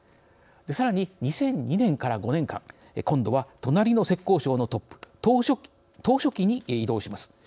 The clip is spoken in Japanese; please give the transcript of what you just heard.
さらに２００２年から５年間今度は隣の浙江省のトップ党書記に異動します。